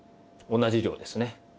同じ量ですね。